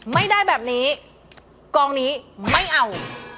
ไม่ได้แบบนี้กองนี้ไม่เอา